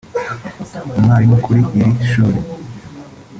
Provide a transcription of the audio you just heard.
umwarimu kuri iri shuri